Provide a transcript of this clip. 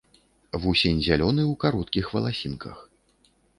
Вусень зялёны, у кароткіх валасінках.